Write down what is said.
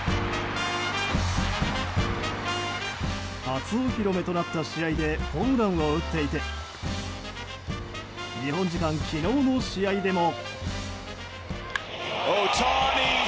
初お披露目となった試合でホームランを打っていて日本時間昨日の試合でも。